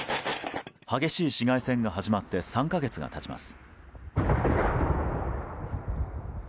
激しい市街戦が始まって３か月が経ちます。